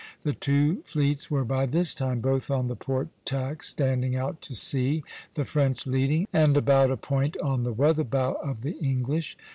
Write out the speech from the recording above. The two fleets were by this time both on the port tack standing out to sea, the French leading, and about a point on the weather bow of the English (B, B).